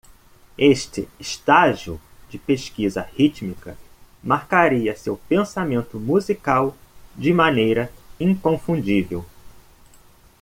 Este estágio de pesquisa rítmica marcaria seu pensamento musical de maneira inconfundível.